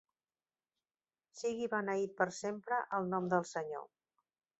Sigui beneït per sempre el nom del Senyor.